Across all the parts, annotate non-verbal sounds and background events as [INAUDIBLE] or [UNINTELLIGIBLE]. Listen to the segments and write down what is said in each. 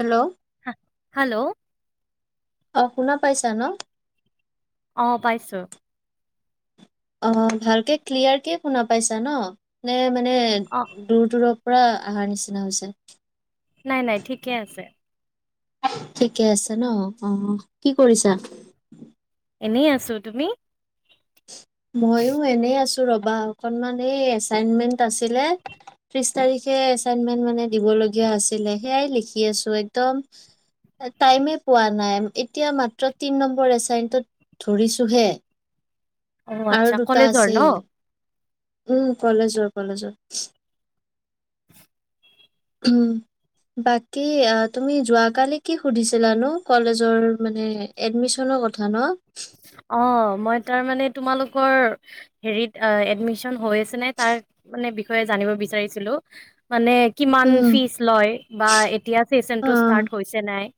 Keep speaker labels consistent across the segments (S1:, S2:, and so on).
S1: Hello
S2: hello.
S1: অ শুনা পাইছা ন।
S2: অ পাইছো।
S1: অ ভালকে ক্লিয়াৰকে শুনা পাইছা ন নে মানে
S2: অ
S1: দূৰ দূৰ- পৰা আহাৰ নিচিনা হৈছে।
S2: নাই নাই ঠিকে আছে।
S1: ঠিকে আছে ন অ কি কৰিছা।
S2: এনেই আছো তুমি।
S1: মইয়ো এনে আছো। ৰবা অকনমান এই এছাইনমেণ্ট আছিলে ত্ৰিছ তাৰিখে এছাইনমেণ্ট মানে দিবলে দিব লগীয়া আছিলে সেয়াই লিখি আছো একদম। টাইমে পোৱা নাই এতিয়া মাত্ৰ তিন নম্বৰ এচাইনটোত ধৰিছোহে।
S2: অ
S1: আৰু
S2: আচ্ছা
S1: দুটা
S2: কলেজৰ
S1: আছে
S2: ন
S1: উম কলেজৰ কলেজৰ। উম। বাকি অ তুমি যোৱাকালি কি সুধিছিলা নো কলেজৰ মানে এডমিশ্যনৰ কথা ন।
S2: অ মই তাৰমানে তোমালোকৰ সেৰি আ এডমিশ্যন হৈ আছে নে তাৰ মানে বিষয়ে জানিব বিচাৰিছিলো মানে কিমান
S1: উম।
S2: ফিজ লয় বা এতিয়া ফেশ্বন তো
S1: অ',
S2: ষ্টাৰ্ট হৈছে নাই?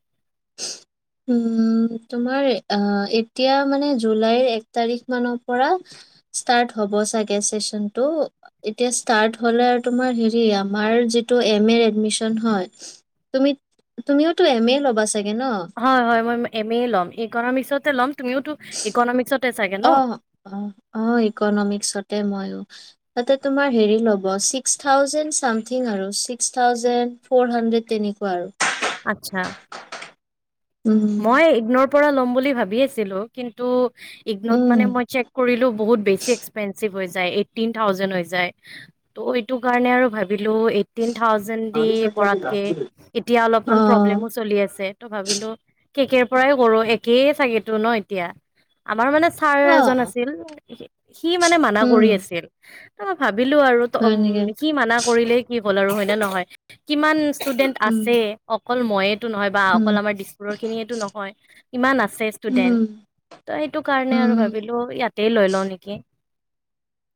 S1: উম তোমাৰ আহ এতিয়া মানে জুলাইৰ এক তাৰিখ মানৰ পৰা। ষ্টাৰ্ট হব ছাগে চেচনটো এতিয়া ষ্টাৰ্ট হলে আৰু তোমাৰ হেৰি আমাৰ যিটো এম এ এডমিশ্যন হয় তুমি তুমিওটো এম এ ল'বা চাগে ন
S2: হয় হয় মই এম এ ল'ম ইকনমিক্সতে ল'ম তুমিওটো ইকনমিক্সত
S1: অ অ অ ইকনমিক্সতে মই ও তাতে তুমাৰ হেৰি ল'ব ছিক্স থাউজেন্ড চামথিং আৰু ছিক্স থাউজেন্ড ফৰ হান্ড‌্ৰেড তেনি সেনেকুৱা আৰু।
S2: আচ্ছা।
S1: উম,
S2: মই ইগ্নৰৰ পৰা ল'ম বুলি ভাবি আছিলো কিন্তু ইগনত মানে
S1: উম।
S2: মই চেক কৰিলো বহুত বেছি এক্সপেঞ্চিভ হৈ যায় এইটট্ৰিন থাউজেণ্ড হৈ যায় ত এইটো কাৰণে আৰু ভাবিলো এইটিন থাউজেণ্ড দি কৰাতকে এতিয়া অলপমান
S1: অ',
S2: প্ৰব্লেমো চলি আছে ত' ভাবিলো কেকৰ পৰাই কৰোঁ, একেই চাগেইেতো ন' এতিয়া। আমাৰ মানে ছাৰ এজন
S1: অ',
S2: আছিল। সি মানে, মানা
S1: উম,
S2: কৰি আছিল। অ'! ভাবি ভাবিলো আৰু
S1: হয় নেকি?
S2: সি মানা কৰিলেই কি হ'ল আৰু হয়নে নহয়? কিমান ষ্টুডেণ্ট
S1: উম,
S2: আছে, অকল মইয়েতো নহয় বা
S1: উম,
S2: অকল আমাৰ খিনিয়েটো নহয়। ইমান আছে ষ্টুডেন্ট।
S1: উম,
S2: ত' সেইটো কাৰণে আৰু
S1: উম,
S2: ভাবিলোঁ ইয়াতেই লৈ লওঁ নেকি।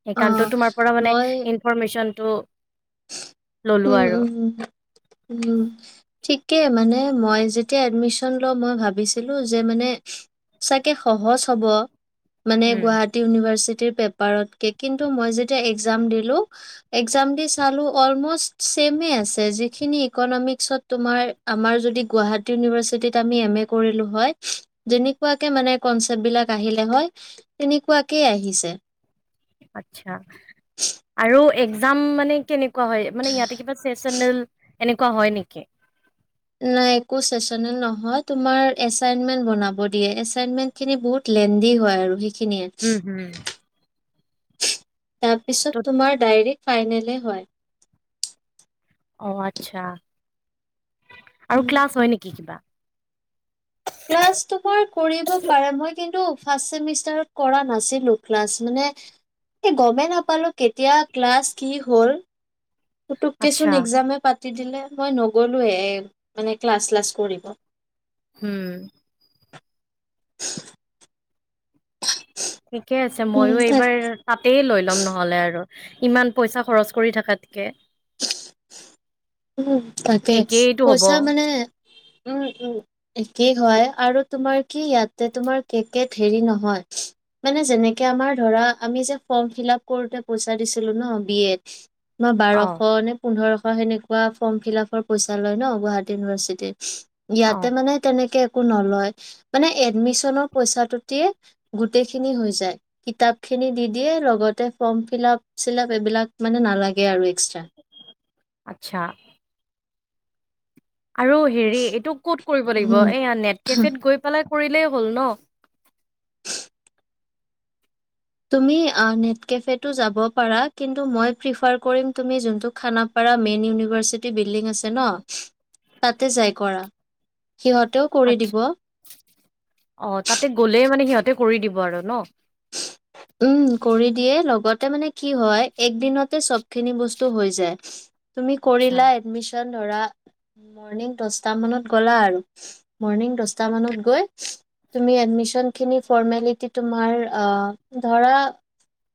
S2: সেইকাৰণটো
S1: অ'।
S2: তোমাৰ পৰা মানে,
S1: মই
S2: ইনফৰমেশ্চনটো
S1: উম, উম, উম, ঠিকেই মানে মই যেতিয়া এডমিচন লওঁ মই ভাবিছিলোঁ যে মানে, চাগে সহজ হ'ব! মানে
S2: উম।
S1: গুৱাহাটী ইউনিভাৰ্চি ইউনিভাৰ্চিটি পেপাৰতকে। মই যেতিয়া একজাম দিলোঁ। একজাম দি চালোঁ অলমষ্ট চেমে আছে। যিখিনি ইকনমিক্সত তোমাৰ, আমাৰ, যদি গুৱাহাটী ইউনিভাৰ্চিটিত আমি এম এ কৰিলোঁ হয়, যেনেকুৱাকে মানে কনচেপ্ট বিলাক আহিলে‌ হয়, সেনেকুৱাকে আহি ছে।
S2: আচ্ছা আৰু একজাম মানে, কেনে কেনেকুৱা হয়? মানে, ইয়াতে কিবা চেচনেল এনেকুৱা হয় নেকি?
S1: নাই, একো চেচনেল নহয়। তোমাৰ, এছাইনমেণ্ট বনাব দিয়ে। এছাইনমেণ্ট খিনি বহুত [UNINTELLIGIBLE] হয় আৰু। সেইখিনিয়ে
S2: উম! উ!
S1: তাৰপিছত, তোমাৰ ডায়ৰেক ফাইনেলে হয়।
S2: অ'! আচ্ছা আৰু ক্লাছ হয় নেকি কিবা?
S1: ক্লাছ তোমাৰ কৰিব পাৰে। মই কিন্তু, ফাৰ্ষ্ট চেমিষ্টাৰত কৰা নাছিলোঁ ক্লাছ, মানে, গমেই নাপালোঁ। কেতিয়া ক্লাছ, কি হ'ল
S2: আচ্ছা,
S1: পুতুককেচোন একজামে পা দিলে। মই নগলোৱে, মানে ক্লাছ [UNINTELLIGIBLE] কৰিব।
S2: হু!
S1: [UNINTELLIGIBLE]
S2: ঠিকে আছে।
S1: উম
S2: মইয়ো
S1: তাক
S2: এইবাৰ, তাতে লৈ ল'ম নহ'লে আৰু। ইমান পইচা খৰচ কৰি থকাতকে।
S1: উম! তাকে,
S2: একেইটো হ'ব
S1: পইচা মানে উম, উ, ম একে হয় আৰু তোমাৰ কি ইয়াতে, তোমাৰ কেকেত হেৰি নহয়। মানে, যেনেকে আমাৰ ধৰা, আমি যে ফৰ্মফিলাপ কৰোঁতে পইচা দিছিলো ন' বি এত। মই
S2: অ
S1: বাৰশ নে পোন্ধৰশ, সেনেকুৱা ফৰ্ম ফিলাপৰ পইচা লয় ন' গুৱাহাটী ইউনিভাৰ্চিটিত।
S2: অ
S1: ইয়াতে মানে, তেনেকে নলয়। মানে, এডমিছনৰ পইচাটো দি গোটেই খিনি হৈ যায়। কিতাপ খিনি খিনি দি দিয়ে। লগতে, ফৰ্ম ফিলাপ, চিলাপ এইবিলাক মানে, নালাগে আৰু এক্সট্ৰা।
S2: আচ্ছা! আৰু হেৰি, এইটো ক'ত কৰিব লাগিব।
S1: উম
S2: এইয়া, নেট কেফেত গৈ পেলাই কৰিলেই হ'ল ন'।
S1: তুমি আঁ নেট কেফেটো যাব পাৰা। কিন্তু, মই প্ৰিফাৰ কৰিম তুমি যোনটো, খানাপাৰা খানাপাৰা মেইন ইউনিভাৰ্চিটিৰ বিল্ডিং আছে ন', তাতে যাই কৰা। সিহঁতেও কৰি
S2: আচ্ছা!
S1: দিব
S2: অ'! তাতে গ'লে মানে, সিহঁত সিহঁতে কৰি দিব আৰু ন'।
S1: তাৰ মানে, কি হৈ এক দিনতে চব খিনি বস্তু হৈ যায়। তুমি
S2: আচ্ছা
S1: কৰিলা এডমিছন এডমিছন ধৰা মৰ্নিং দহটা মানত গ'লা আৰু। মৰ্ণিং দহটা মানত গৈ এডমিছনখিনি ফৰ্মেলিটি তোমাৰ, আঁ ধৰা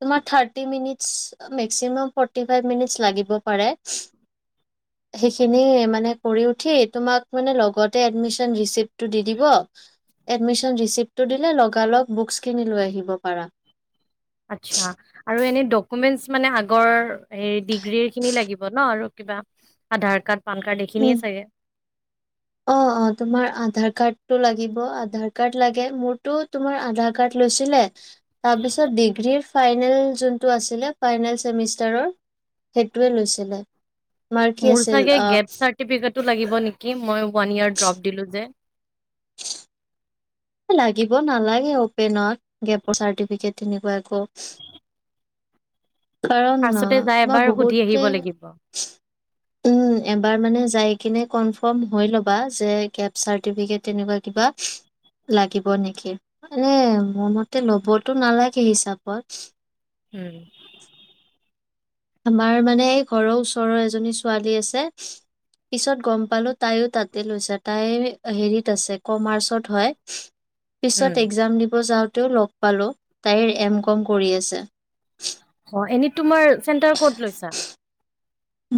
S1: তোমাৰ thirty minutes, maximum forty five minutes লাগিব পাৰে। সেইখিনি মানে কৰি উঠি তোমাক মানে লগতে এডমিশন ৰিচিপ্টটো দি দিব। এডমিশন ৰিচিপ্টটো দিলে লগালগ বুকচখিনি লৈ আহিব পাৰা।
S2: আচ্ছা আৰু এনে ডকুমেন্টচ মানে আগৰ। হেই ডিগ্ৰীৰ খিনি লাগিব ন আৰু কিবা আধাৰ কাৰ্ড। পান কাৰ্ড
S1: উ
S2: এইখিনিয়ে চাগে
S1: অ অ তোমাৰ আধাৰ কাৰ্ড। লাগ আ কাৰ লাগে মোৰতটো তুমাৰ আধ কাৰ্ লৈছিলে তাৰপিছি। ফাইনেল যোনটো আছিলে ফাইনেল চেমিষ্টাৰৰ সেইটোৱে লৈছিলে। মাৰ্কী
S2: মোৰ
S1: আছিল
S2: চাগে
S1: অ।
S2: গেপ চাৰ্টিফিকেটো লাগিব নেকি মই ওৱান ইয়েৰ ড্ৰপ দিলোঁ যে।
S1: লাগিব নালাগে অপেন গেপৰ চাৰ্টিফিকেট তেনেকুৱা একো। কাৰণ
S2: ফাৰ্ষ্টতে যাই
S1: মই
S2: এবাৰ সুধি
S1: বহুতে
S2: আহিব লাগিব।
S1: উম এবাৰ মানে। কিনে কনফ হৈ ল'বা যে চটি তেনেকুৱা কিবা। লাগিব নেকি এ মোৰ মতে ল'বতো নালাগে হিচাপত।
S2: উম।
S1: আমাৰ মানে ঘৰৰ ওচৰৰ এজনী ছোৱালী আছে। পিছত গম পালো তাইও তাতে লৈছে তাই হেৰিত আছে কমাৰ্চত হয়।
S2: উম।
S1: পিছত একজাম দিব যাওঁতে। তেওঁ লগ পালোঁ তাইৰ এম কম কৰি আছে।
S2: অ', এনে তোমাৰ চেণ্টাৰ ক'ত লৈছা।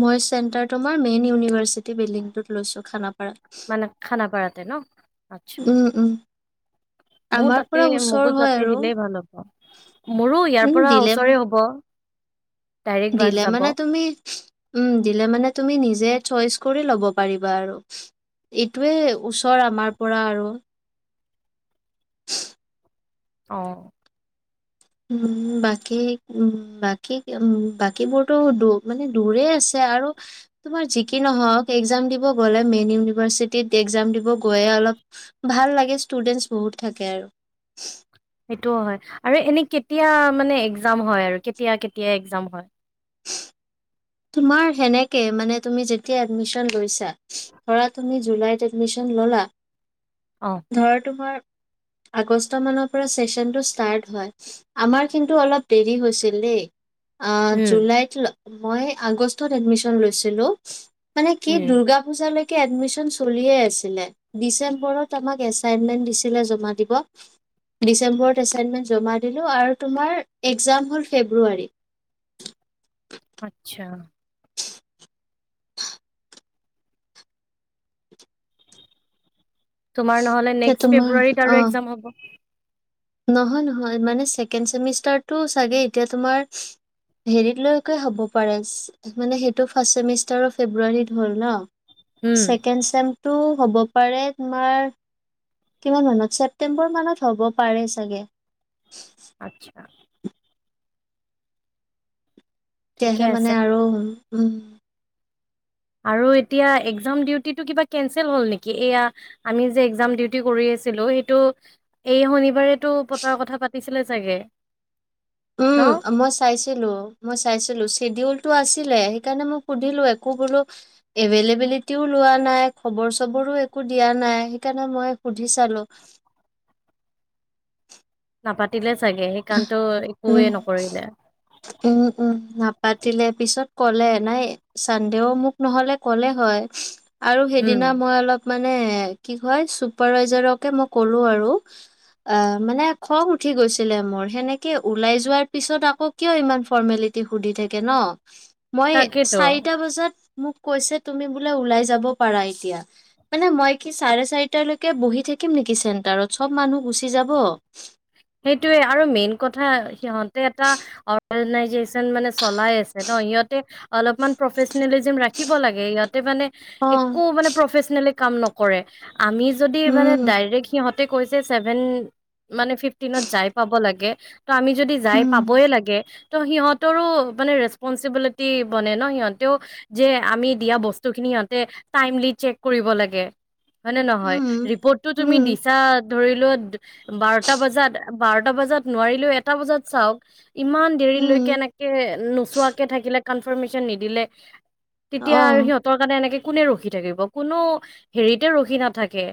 S1: মই চেণ্টাৰ তোমাৰ মেইন ইউনিভাৰ্চিটি বিল্ডিংটোত লৈছো খানা।
S2: মানে খানা পাৰাতে ন আচ্ছা।
S1: উম, উম,
S2: মোৰ
S1: আমাৰ পৰা
S2: তাতে
S1: ওচৰ
S2: মগোত
S1: হয়
S2: যাতে
S1: আৰু।
S2: দিলেই ভাল হ'ব মোৰো ইয়াৰ
S1: উম,
S2: পৰা
S1: দিলে
S2: ওচৰে হব। ডাইৰেক্ট বাছ
S1: দিলে
S2: যাব।
S1: মানে তুমি উম দিলে মানে তুমি নিজে। চইচ কৰি ল'ব পাৰিবা আৰু। এইটোৱে ওচৰ আমাৰ পৰা আৰু।
S2: অ।
S1: উম বাকী উ বাকী উ বাকীবোৰতো দ মানে দূৰে আছে। আৰু তোমাৰ য কি নহক একজাম দিব গলে মেইন ইভাৰ্চিট একজাম দিব। ভাল লাগে ষ্টুডেনছ বহুত থাকে আৰু।
S2: সেইটোও হয় আৰু এনে কেতিয়া মানে একজাম হয় আৰু কেতিয়া কেতিয়া একজাম হয়।
S1: তোমাৰে হেনেকে মান তুমি যেতিয়া এডমিশন লৈছা ধৰা তুমি জুলাইত এডমিছন। ললা
S2: অ'।
S1: ধৰা তোমাৰ। আগষ্ট মানৰ পৰা চেচনটো ষ্টাৰ্ট হয় আমাৰ কিন্তু অলপ দেৰি হৈছিল দেই।
S2: উম,
S1: জুলাইত মই আগষ্টত এডমিশ্যন লৈছিলোঁ। মানে কি দ
S2: উম।
S1: দুৰ্গা পূজা লৈকে। এডমিশন চলিয়ে আছিলে ডিচেম্বৰত আমাক এচাইনমেন্ট দিছিলে জমা দিব। ডিচেম্বৰত এছাইনমেণ্ট। আৰু তোমাৰ একজাম হল ফেব্ৰুৱাৰী।
S2: আতছা। তোমাৰ নহ'লে
S1: এতিয়া
S2: নেক্সট
S1: তোমাৰ
S2: ফেব্ৰুৱাৰীত
S1: অ
S2: আৰু এক্জাম হ'ব।
S1: নহয় নহয় মানে ছেকেণ্ড চেমিষ্টাৰটো চাগে এতিয়া তোমাৰ। হেৰিত লৈকে হ'ব পাৰে মানে সেইটো ফাৰ্ষ্ট চেমিষ্টাৰৰ ফেব্ৰুৱাৰীত হ'ল ন।
S2: উম।
S1: ছেকেণ্ড চেমটো হ'ব পাৰে তোমাৰ। কিমান মানত ছেপ্তেম্বৰ মানত হ'ব পাৰে চাগে।
S2: আচ্ছা, ঠিকে
S1: তেতিয়াহে
S2: আছে।
S1: মানে আৰু উম।
S2: আৰু এতিয়া একজাম ডিউটিটো কিবা কেনচেল হল নেকি এয়া আমি যে একজাম ডিউটি কৰি। ছিলো সেইটো এই শনিবাৰেতো পতাৰ কথা পাতিছিলে চাগে। ন?
S1: উম মই চাইছিলো মই চাইছিলো চিডিউল। টো আছিলে সেইকাৰণে মই সুধিলোঁ একো বোলো এবেল এবেলেটিও। লোৱা নাই খবৰ চবৰো একো দিয়া নাই সেইকাৰণে মই সুধি চালো [INAUDIBLE]
S2: নাপাতিলে চাগে সেই কাৰণেটো
S1: উম
S2: একোৱে নকৰিলে।
S1: উম- উম নাপাতিলে পিছত ক'লে নাই চানডেও মোক নহলে ক'লে হয়। আৰু
S2: উম,
S1: সেইদিনা মই অলপ মানে কি কয় চুপাৰভাইজাৰকে মই ক'লো আৰু অহ, মানে খং উঠি গৈছিলে মোৰ সেনেকে ওলাই যোৱাৰ পিছত আকৌ কিয় ইমান ফৰ্মেলিটি সুধি থাকে ন' মই
S2: তাকেতো।
S1: চাৰিটা বজাত মোক কৈছে তুমি বোলে ওলাই যাব পাৰা এতিয়া মানে মই কি চাৰে- চাৰিটাৰ লৈকে বহি থাকি থাকিম নিকি চেণ্টাৰত চব মানুহ গুচি যাব।
S2: সেইটোয়ে আৰু মেইন কথা সিহঁত এটা অৰ্গেনাইজেচন মানে চলাই আছে ন' সিহতে অলপমান প্ৰফেচনেলিজিম ৰাখিব লাগে ইয়াতে মানে
S1: অ
S2: একো মানে প্ৰফেচনেল কাম নকৰে আমি যদি মানে
S1: উম
S2: ডাইৰেক্ট সিহঁতে কৈছে যে চেভেন মানে ফিফটিনত যাই পাব লাগে। ত' আমি যদি যাই
S1: উম
S2: পাবয় লাগে ত' সিহঁতৰো মানে ৰেচপনচিবিলিটি বনে ন' সিহঁতেও যে আমি দিয়া বস্তু খিনি সিহঁতে টাইমলি চেক কৰিব লাগে হয় নে নহয়?
S1: উম
S2: ৰিপোৰ্টটো তুমি
S1: উম
S2: দিছা ধৰিলোৱা বাৰটা বজাত -বাৰটা বজাত নোৱাৰিলেও এটা বজাত চাওক ইমান দেৰিলৈকে
S1: উম
S2: এনেকে নোচোৱাকে থাকিলে কনফাৰ্মেশ্যন নিদিলে তেতিয়া আৰু
S1: অ।
S2: সিহঁতৰ কাৰণে এনেকে কোনে ৰখি থাকিব। কোনো হেৰিতে ৰখি নাথাকে।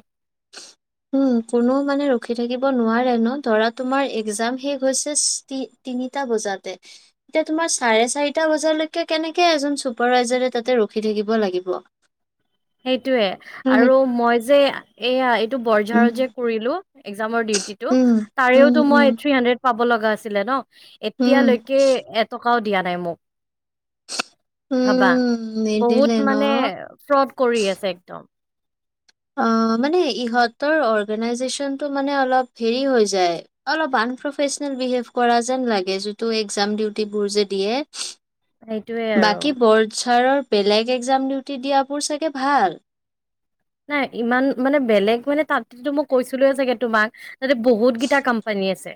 S1: উম, কোনোও মানে ৰখি থাকিব নোৱাৰে ন' ধৰা তোমাৰ একজাম শেষ হৈছে তিনিটা বজাতে এতিয়া তোমাৰ চাৰে- চাৰিটা বজালৈকে কেনেকে এজন চুপাৰভাইজাৰে তাতে ৰখি থাকিব লাগিব।
S2: সেইটোয়ে
S1: উম, সেই-
S2: আৰু মই যে এয়া
S1: উম,
S2: বৰঝাৰত যে কৰিলো এক্সামৰ ডিউটিটো,
S1: উম,
S2: তাৰেও
S1: উম,
S2: টো মই
S1: উম,
S2: থ্ৰি হান্দ্ৰেড পাব লগা আছিলে ন'
S1: উম,
S2: এতিয়ালৈকে এটকাও দিয়া নাই মোক। ভাবা
S1: উম নিদিলে
S2: বহুত
S1: ন?
S2: মানে ফ্ৰড কৰি আছে একদম।
S1: অ', মানে ইহঁতৰ অৰ্গেনাইজেচনটো মানে অলপ হেৰি হৈ যায়, অলপ আনপ্ৰফেচনেল বিহেভ কৰা যেন লাগে যিটো একজাম ডিউটিবোৰ যে দিয়ে
S2: সেইটোৱে আৰু
S1: বাকী বৰ্ড ছাৰৰ বেলেগ একজাম ডিউটি দিয়াবোৰ চাগে ভাল
S2: নাই ইমান মানে বেলেগ মানে তাত মই কৈছিলো চাগে তোমাক, তাতে বহুত গিতা কম্পানী আছে।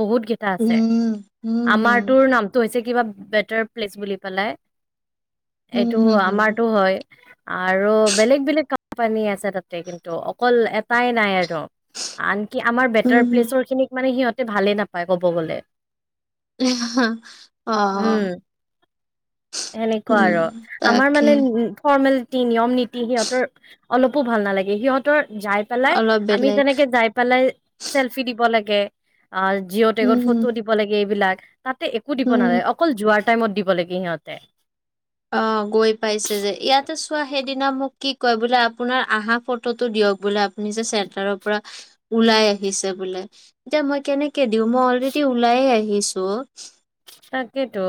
S2: বহুত কেইটা আছে।
S1: উম, উম, হুম,
S2: আমাৰটোৰ নামটো হৈছে কিবা বেটাৰ প্লেচ বুলি পেলাই।
S1: উম,
S2: এইটো
S1: হুম, হুম,
S2: আমাৰতটো হয়। আৰু বেলেগ -বেলেগ কোম্পানী আছে তাতে কিন্তু, অকল এটাই নাই আৰু আনকি আমাৰ বেটাৰ
S1: উম,
S2: প্লেচৰ খিনিক মানে সিহঁতে ভালে নাপায় ক'ব গলে
S1: [UNINTELLIGIBLE]
S2: উম
S1: অ',
S2: সেনেকুৱা
S1: উম,
S2: আৰু আমাৰ
S1: তাকে
S2: মানে ফৰ্মেল তি, নিয়ম- নীতি সিহঁতৰ অলপো ভাল নালাগে সিহঁতৰ যাই পেলাই
S1: অলপ
S2: আমি
S1: বেলেগ।
S2: তেনেকে যাই পেলাই চেলফি দিব লাগে। আৰু জিঅ' টেগত
S1: উম,
S2: ফটো দিব লাগে এইবিলাক তাতে একো দিব
S1: উম।
S2: নালাগে অকল যোৱাৰ টাইমত দিব লাগে সিহঁতে।
S1: আহ গৈ পাইছে যে। ইয়াতে চোৱা সেইদিনা মোক কি কয় বোলে, আপোনাৰ আহা ফটোটো দিয়ক বোলে আপুনি যে চেণ্টাৰৰ পৰা ওলাই আহিছে বোলে। এতিয়া মই কেনেকে দিওঁ মই অলৰেডি ওলাইে আহিছো।
S2: তাকেতো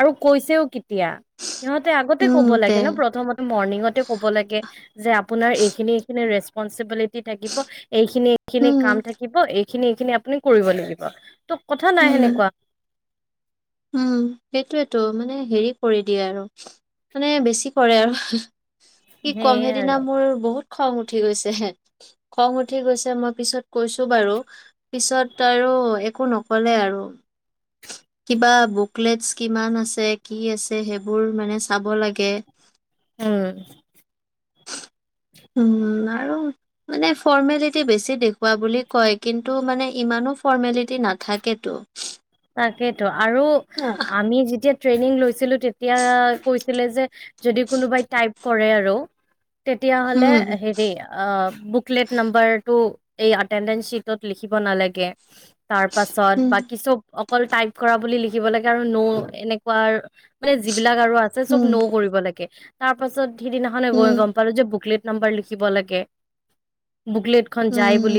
S2: আৰু কৈছেও কিতিয়া সিহঁতে আগতে
S1: উম,
S2: কব
S1: তে
S2: লাগে ন' প্ৰথমতে মৰ্ণিঙতে ক'ব লাগে, যে আপোনাৰ এইখিনি এইখিনি ৰেচ ষ্পঞ্চবিলিটি থাকিব, এইখিনি -এইখিনি
S1: উম,
S2: কাম থাকিব এইখিনি -এইখিনি আপুনি কৰিব লাগিব। তোক কথা নাই
S1: উম,
S2: সেনেকুৱা।
S1: উম সেইটোয়েতো, মানে হেৰি কৰি দিয়ে আৰু মানে বেছি কৰে আৰু কি কম
S2: সেয়ে আৰু
S1: সেইদিনা মোৰ বহুত খং উঠি গৈছে, হে খং উঠি গৈছে মই পিছত কৈছো বাৰু পিছত আৰু একো নক'লে আৰু কিবা বুকলেটছ কিমান আছে, কি আছে, সেইবোৰ মানে চাব লাগে
S2: উম।
S1: [INAUDIBLE] উম আৰু মানে ফৰ্মেলিটি বেছি দেখোৱা বুলি কয়। কিন্তু মানে ইমান ফৰ্মলিতী নাথাকেতটো
S2: তাকেইেতো আৰু আমি যেতিয়া ট্ৰেইনিং লৈছিলো তেতিয়া কৈছিলে যে কোনোবাই টাইপ কৰে আৰু তেতিয়াহলে
S1: হুম
S2: হেৰি বুকলেট নাম্বাৰটো এই আটেনডেঞ্চ শ্বিটত লিখিব নালাগে। তাৰ পাছত
S1: হুম
S2: বাকী চব অকল টাইপ কৰা বুলি লিখিব লাগে আৰু নৌ এনেকুৱা মানে যিবিলাক আৰু আছে চব
S1: হুম
S2: নৌ কৰিব লাগে তাৰ পাছত সিদিনাখনে গৈ
S1: হুম
S2: গম পালো যে বুকলেট নাম্বৰ লিখিব লাগে, বোকলেট খন যায়
S1: হুম
S2: বুলি